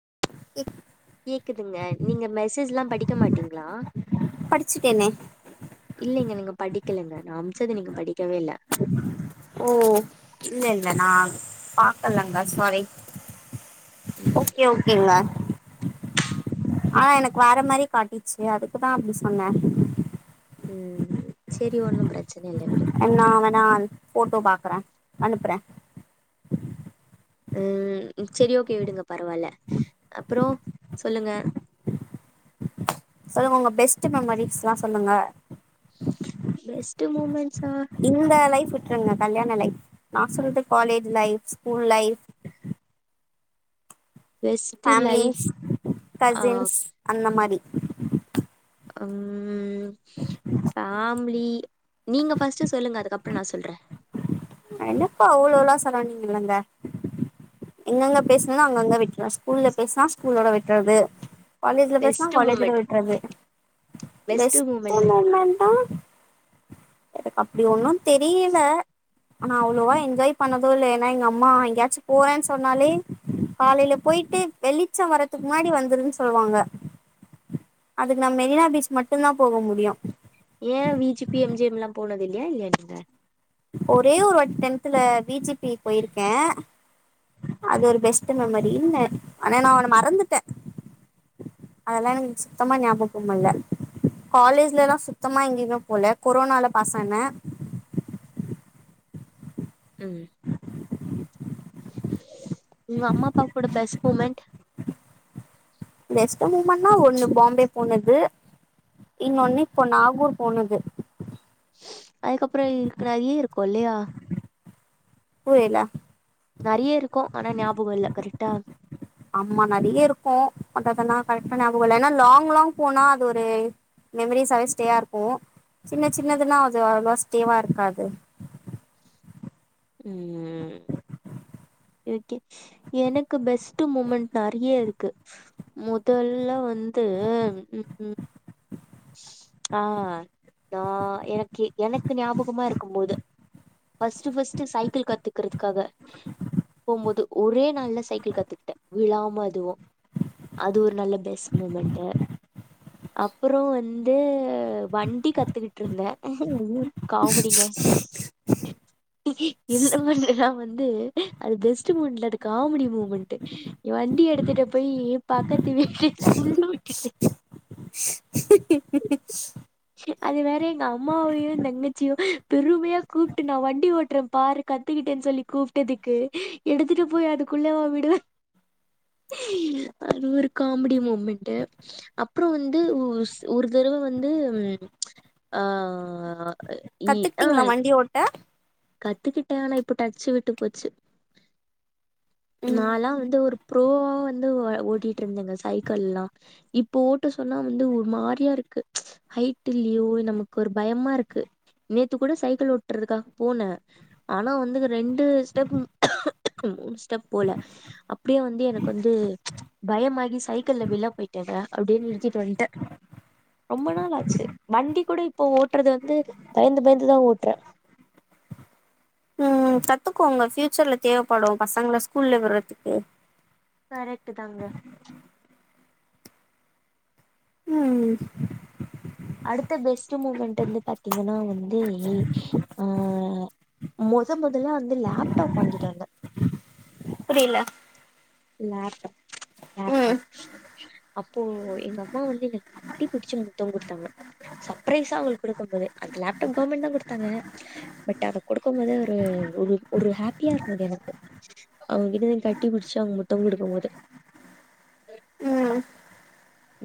[unintelligible] கேக்குதுங்க நீங்க மெசேஜ்ல்லா படிக்க மாட்டீங்ளா படிச்சுட்டேனே இல்லைங்க நீங்க படிக்கலங்க நா அம்ச்சத நீங்க படிக்கவே இல்ல ஓ இல்ல இல்ல நா பாக்கலங்க சாரி ம் ஓகே ஓகேங்க ஆனா எனக் வேற மாரி காட்டிச்சி அதுக்குதா அப்டி சொன்ன ம் செரி ஒண்ணும் ப்ரெ ன் நா வேணா போட்டோ பாக்குறே அனுப்புறே ம் செரி ஒகே விடுங்க பரவால அப்புறோ சொல்லுங்க சொல்லுங்க உங்க பெஸ்ட்டு மெமரீஸ்ல்லா சொல்லுங்க பெஸ்ட்டு மொமென்ட்ஸ் இந்த லைஃப் விட்ருங்க கல்யாண லைஃப் நா சொல்து college lifes school life best life families ஆ கசின்ஸ் அந்த மாரி அம் ஆ ம்புலி நீங்க ஃபஸ்ட்டு சொல்லுங்க அதுக்கப்புற நா சொல்ற என்னப்பா அவ்ளோலா சொல்ல வேண்டித் இல்லங்க எங்கெங்க பேஸ்னனோ அங்கங்க விட்ருவ ஸ்கூல்ல பேஸ்னா ஸ்கூல்லோட விட்றது காலேஜ்ல பேஸ்னா பெஸ்ட் காலேஜுடோ மூமெண்ட் விட்றது பெஸ்ட் பெஸ்ட்டே மூமெண்ட்னு மொமென்ட்னா எனக்கு அப்டி ஒன்னு தெரியல நா அவ்ளோவா என்ஜாய் பண்ணது இல்ல ஏன்னா எங்க அம்மா எங்கயாச்சு போறேன் சொன்னாலே காலையில போய்ட்டு வெளிச்ச வரறதுக் முன்னாடி வந்துறுன் சொல்லுவாங்க அதுக்கு நா மெரினா பீச் மட்டுந்தா போக முடியு ஏன் V G B M G M ல்லா போனது இல்லையா இல்லியா நீங்க ஒரே ஒரு வாட் டென்த்துல வி ஜி பி போயிருக்கே அது ஒரு பெஸ்ட்டு மெமரி இன ஆனா நா ஒன்ன மறந்துட்டே அதெல்லா எனக்கு சுத்தமா ஞாபகமல்ல காலேஜ்லெல்லா சுத்தமா எங்கையு போல கொரோனால பாஸ் ஆன ம் உங்க அம்மா அப்பா கூட பெஸ் மொமெண்ட் பெஸ்ட்டு மூமெண்னா ஒண்ணு பாம்பே போனது இன்னொன்னு இப்போ நாகூர் போனது அதுக்கப்புற இருக்கு நெறிய இருக்கு இல்லையா போயல்லா நெறைய இருக்கு ஆனா ஞாபகோ இல்ல கரெட்டா ஆமா நெறைய இருக்கு அததனா கரக்டா ஞாபகோ இல்ல ஏன்னா லாங் லாங் போனா அது ஒரு மெமரிஸாவே ஸ்டேயா இருக்கு சின்ன சின்னதுன்னா அது அவ்ளோவா ஸ்டேவா இருக்காது உம் எனக்கு பெஸ்ட் மூமெண்ட் நெறைய இருக்கு முதல்ல வ ந்து உம் உம் ஆஹ் நா எனக்கி எனக்கு ஞாபகமா இருக்கு போது ஃபர்ஸ்ட்டு ஃபர்ஸ்ட் சைக்கிள் கத்துக்கறதுக்காக போம்போது ஒரே நாள்ல சைக்கிள் கத்துக்கிட்ட விழாம அதுவு அது ஒரு நல்ல பெஸ்ட் மூமெண்ட்டு அப் அப்றோ வந்து வண்டி கத்துக்கிட்டு இருந்த காமெடிங்க என்ன பண்ணுறா வந்து அது பெஸ்ட் மூமெண்ட் இல்ல அது காமெடி மூமெண்ட்டு வண்டி எடுத்துட்டு போயி பக்கத்து வீட்ல உள்ள விட்டுட்டே அது வேற எங்க அம்மாவையு தங்கச்சியு பெருமையா கூப்ட்டு நா வண்டி ஓட்ற பா கத்துக்கிட்டேன்னு சொல்லி கூப்ட்டதுக்கு எடுத்துட்டு போய் அதுக்குள்ளவா விடுவ அது ஒரு காமெடி மூமெண்ட்டு அப்றோ வந்து ஒரு தடவ வந்து ஆஹ் இ அஹ் கத்துக்கிட்டீங்களா வண்டி ஓட்ட கத் த்துக்கிட்ட ஆனா இப்ப டச்சு விட்டு போச்சு நாலா ம் வந்து ஒரு ப்ரோவா வந்து ஓட்டிட்டு இருந்தங்க சைக்கல்லா இப்போ ஓட்ட சொ சொன்னா வந்து ஒரு மாரியா இருக்கு ஹைட் இல்லியோ நமக்கு ஒரு பயமா இருக்கு நேத்து கூட சைக்கிள் ஓட்டறதுக்காக போன ஆனா வந்து ரெண்டு ஸ்டெப் ஸ்டெப் போல அப்டியே வந்து எனக்கு வந்து பயமாகி சைக்கிள்ல விழ போயிட்டங்க அப்டே நிற் தீட்டு வன்ட ரொம்ப நாள் ஆச்சு வண்டி கூட இப்போ ஓட்டறது வந்து பயந்து பயந்துதா ஓட்ற உம் கத்துக்கோங்க ஃபியூச்சர்ல தேவப்படு பசங்கல ஸ்கூல்ல விடறதுக்கு கரக்ட் தாங்க உம் அடுத்த பெஸ்ட் மூமெண்ட் வந்து பாத்தீங்கன்னா வந்தே ஆஹ் மொத மொதல்லா வந்து லாப்டாப் வாங்கிட்டு வந்த புரியல லாப்டாப் ம் லாப்டாப் அப்போ எங்க அம்மா வந்து என்ன கட்டி புடிச்சி முத்தோ குடுத்தாங்க சப்ரைஸா அவுங்ளுக்கு குடுக்க போது லாப்டாப் கவர்மெண்ட் தா குடுத்தாங்க பட் அத கொடுக்க போது ஒரு ஒரு ஹாப்பியா இருந்தது எனக்கு அவுங்ககிட்டத கட்டிபிடிச்சு அவுங்க முத் த்தங் கொடுக்கு போது ம்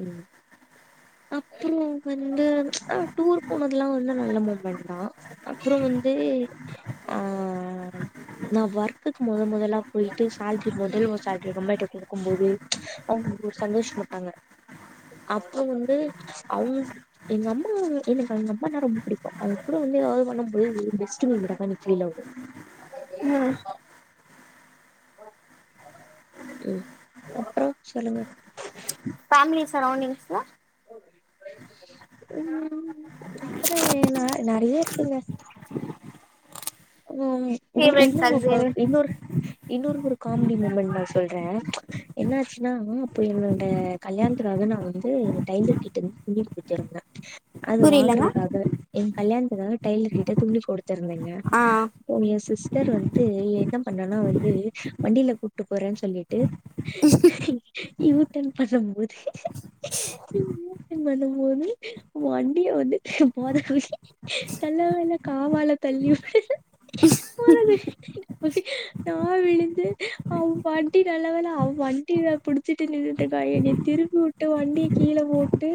உம் அப்பறோ வந்து அஹ் டூர் போனதுல்லா வந்து நல்ல மூமெண்ட் தா அப்பறோ வந்து து ஆஹ் நா ஒர்க்குக்கு மொத மொதலா போயிட்டு சால்ரி மொதல் சால்ரி எங்க அம்மாட்ட கொடுக்கும் போது அவுங் சந்தோஷ பட்டாங்க அப்பறோ வந்து அவுங் எங்க அம்மா எனக்கு எங்க அம்மான்ன ரொம்ப புடிக்கு அவுங்க கூட வந்து எதாவது பண்ணம்போது பெஸ்ட் மூமென்ட்டாதா இன்னிக்கு ஃபீல் ஆவுது உம் உம் அப்றோ சொல்லுங்க ஃபேமிலி சரவுண்டிங்ஸ்ல அப்ற ஏ ந நறைய இருக்குங்க [inaudible] ஃபேவரட் கசின் [unintelligible] இன்னொரு இன்னொரு ஒரு காமெடி மூமெண்ட் நா சொல்றே என்னாச்சுன்னா அப்ப என்னோட கல்யாண து நா வந்து டைலர் கிட்ட வந்து துணி குடுத்துருந்தே அது புரியலங்க வாங்குறதுக்காக ஏ கல்யாணத்துக்காக டைலர் கிட்ட துணி குடுத்திருந்தே ஆ போனியா சிஸ் [unintelligible] வந்து என்ன பண்ணனா வந்து வண்டில கூட்டு போறேன் சொல்லிட்டு யூடன் பண்ணம்போது யூடன் பண்ணம்போது வண்டிய வந்து போதா [unintelligible] காவால தள்ளி [unintelligible] நா விழுந்து அவ வண்டி நல்லவேல அவ வண்டில புடிச்சிட்டு நின்னுட்டுக்கா என்னைய திருப்பு உட்டு வண்டிய கீழ போட்டு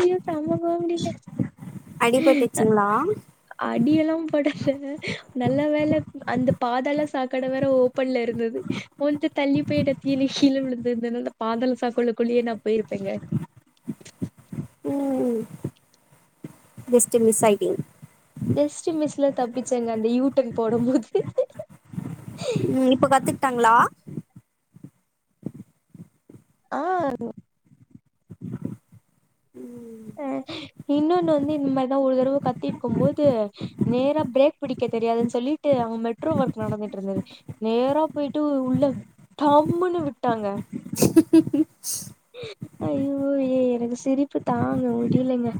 ஐயோ செம்ம காமெடிங்க அடிபட்டுச்சுங்ளா அடியெல்லாம் பட நல்ல வேல அந்த பாதாள சாக்கட வேற ஓப்பன்லருந்தது கொஞ்சோ தள்ளி [unintelligible] கீழ விழுந்துதுனா பாதளத் சாக்கடக்குள்ளே நா போயிருப்பேங்க உ ஜஸ்டு மிஸ் ஆயிடிங் ஜஸ்ட்டு மிஸ்ல தப்பிச்சேங் அந்த யூடன் போடம்போது ம் இப்ப கத்துக்கிட்டாங்களா ஆ அ இன்னொன்னு வந்து இந் மாரிதா ஒரு தரவ கத்திருக்கு போது நேரா பிரேக் பிடிக்க தெரியாதுன் சொல்லிட்டு அவங் மெட்ரோ ஒர்க் நடந்துட்ருந்தது நேரா போயிட்டு உள்ள டம்முன்னு விட்டாங்க ஐயோ ஏ எனக்கு சிரிப்பு தாங்க முடிலைங்க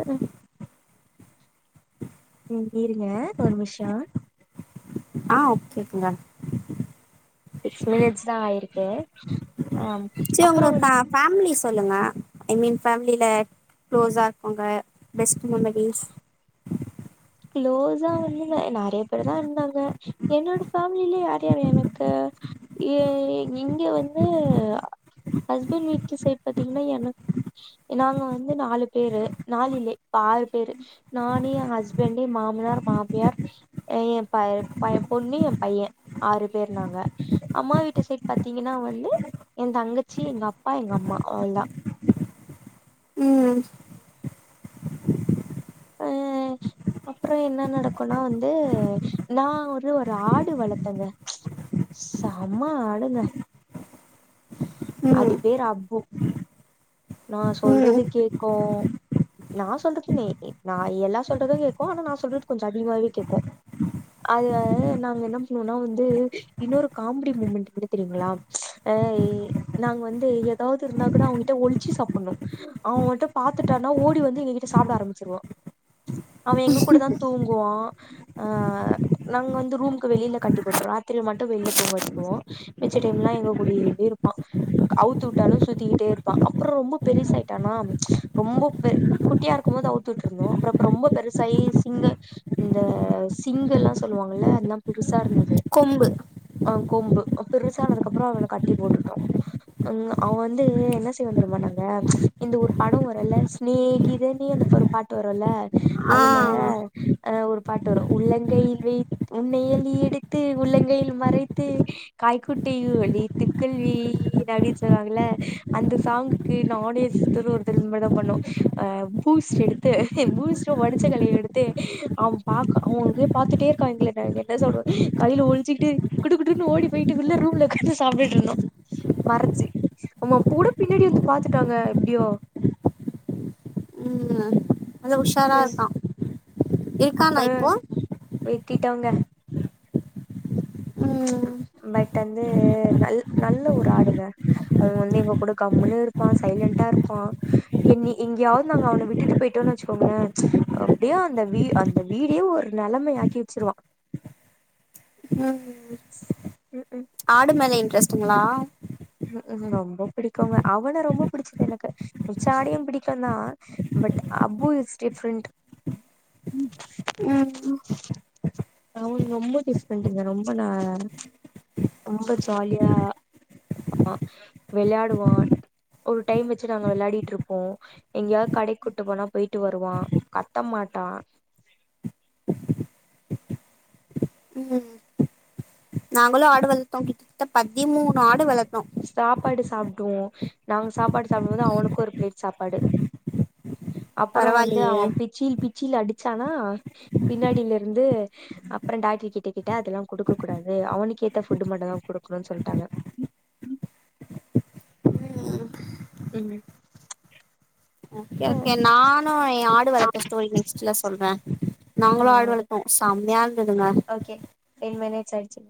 அது ம் இருங்க ஒரு முஷோ ஆ ஓகேங்க சிக்ஸ் மினிட்ஸ் தா ஆயிருக்கு ஆ செரி அப்புறோ உங்க வந்து ஃபா ஃபேமிலிஸ் சொல்லுங்க ஐ மீன் ஃபேமிலில க்ளோஸா இருக்கவுங்க பெஸ்ட் மெமரிஸ் க்ளோஸா வந்துங்க நறைய பேர் தாருந்தாங்க என்னோட ஃபேமில யார் யார் எனக்கு ஏ இங்க வந்து ஹஸ்பண்ட் வீட்டு சைட் பாத்தீங்னா எனக் நாங்க வந்து நாலு பேரு நாலு இல்ல இப்ப ஆறு பேரு நானு என் ஹஸ் வேண்டி மாமனார் மாமியார் ஏ ப ப பொண்ணு ஏ பையன் ஆறு பேர் நாங்க க அம்மா வீட்டு சைட் பாத்தீங்கன்னா வந்து என் தங்கச்சி எங்க அப்பா எங்க அம்மா அவ்ளதா ம் ம் அப்றோ என்ன நடக்குனா வந்து நா ஒரு ஒரு ஆடு வளத்தங்க செம்ம ஆடுங்க அது ம் பேரு அப்பு நா ம் சொல்றது கேக்கு நா சொல்றதுன்னே ஏ நா எல்லா சொல்றது கேக்கு ஆனா நா சொல்றது கொஞ்சோ அதிகமாவே கேக்கு அது அ நாங்க என்ன பண்ணுவோனா வந்து இன்னொரு காமெடி மூமெண்ட் என்ன தெரியுங்ளா டை நாங்க வந்து எதாவது இருந்தா கூட அவங்கிட்ட ஒளிச்சி சாப்புண்ணு அவன் மட்டு பாத்துட்டானா ஓடி வந்து எங்கிட்ட சாப்ட ஆரம்பிச்சிருவா அவே எங்க கூட தா தூங்குவா ஆ நாங்க வந்து ரூம்க்கு வெளில கட்டி போட்ருவே ராத்திரி மட்டூ வெளில தூங்க வச்சுடுவோ மிச்ச டைம்லா எங்க கூடயேவே இருப்பா அவுத்து வுட்டாலு சுத்திகிட்டே இருப்பா அப்றோ ரொம்ப பெருசாயிட்டானா ரொம்ப பெ குட்டியா இரு க்கு போது அவுத்து விட்டிருந்தோ அப்றோ இப்ப ரொம்ப பெருசாயி சிங்க இந்த சிங்குலா சொல்லுவாங்கல எல்லா புதுசா இருந்தது கொம்பு ஆ கொம்பு பெருசானதுகப்றோ அவன கட்டி போட்டுட்டோ உ அவ வந்து என்ன செய்வோ தெரிமா நாங்க இந்த ஒரு படோ வரூல சிநேகித னே இந்தப்ப ஒரு பாட்டு வரூல ஆ அதுல ஆ ஒரு பாட்டு வரூ உள்ளங்கையில் வை உன்னை அள்ளி எடுத்து உள்ளங்கையில் மறைத்து காய்குட்டையில் ஒழித்துக் கொள்வே ஏனாடின்னு சொல்லுவாங்கள அந்த ஸாங்குக்கு நானு ஏ சிஸ்டரூ ஒரு தடவ இந்த மாரி தா பண்ணோ ஆ பூஸ்ட் எடுத்து பூஸ்டு ஒடச்ச கல்லையு எடுத்து அவ பாக் அவ அங்கேயே பாத்துட்டே இருக்கா எங்கள நாங்க என்ன சொல்றது கைல ஒழிச்சிட்டு குடுகுடுன்னு ஓடி போய்ட்டு உள்ள ரூம்ல ஒக்காந்து சாப்ட்டுட்டு இருந்தோ மறச்சு ஆமா போனா பின்னாடி வந்து பாத்துட்டாங்க எப்டியோ ம் நல்ல உஷாரா இருக்கா இருக்கானா இப்போ ட்டிட்டாங்க ம் பட் வந்து நல் நல்ல ஒரு ஆடுங்க அவ வந்து எங்க கூட கம்முனு இருப்பா சைலண்ட்டா இருப்பா என்னி எங்கயாவது நாங்க அவன விட்டுட்டு போய்ட்டோ னச்சுக்கோங்களே அப்டியே அந்த வீ அந்த வீடே ஒரு நெலமயாக்கி வச்சிருவா ம் ம் ம் ஆடு மேல இன்ட்ரெஸ்ட்டுங்களா ம்ஹூ ரொம்ப பிடிக்குங்க அவன ரொம்போ புடிச்சது எனக்கு மிச்ச ஆடயு பிடிக்குந்தா பட் அபு இஸ் டிஃப்ரென்ட் ம் அவுனு ரொம்ப பெஸ்ட் ஃப்ரெண்ட்டுங்க ரொம்ப நா ரொம்ப ஜாலியா அ வெளயாடுவா ஒரு டைம் வச்சு நாங்க வெளையாடிட்டு இருப்போ எங்கயாது கடை கூட்டு போனா போய்ட்டு வருவா கத்த மாட் ட்டா ம் நாங்களு ஆடு வளத்தோ கிட்டத்தட்ட பதிமூணு ஆடு வளத் சாப்பாடு சாப்டுவோ நாங்க சாப்பாடு சாப்டூ போது அவனுக்கு ஒரு ப்ளேட் சாப்பாடு அப்றோ வந்து அவ பரவாயில்லையே பிச்சில் பி ச்சில அடிச்சானா பின்னாடிலருந்து அப்றோ டாக்டர் கிட்ட கேட்டே அதெல்லா குடுக்க கூடாது அவனுக்கு ஏத்த ஃபுட்டு் மட்டூதா குடுக்கணுனு சொல்ட்டாங்க ம் ஓகே ஓகே நானு ஏ ஆடு வளத்த ஸ்டோரி நெக்ஸ்ட்ல சொல்றே ஆ நாங்களு ஆடு வளத்தோ செம்மயா இருந்ததுங்க ஓகே டென் மினிட்ஸ் ஆயிட்ச்சு